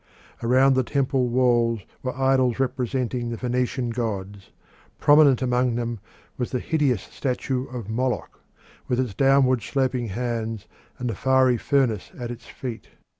Around the temple walls were idols representing the Phoenician gods; prominent among them was the hideous statue of Moloch, with its downward sloping hands and the fiery furnace at its feet.